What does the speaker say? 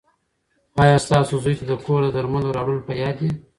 ایا ستاسو زوی ته د کور د درملو راوړل په یاد دي؟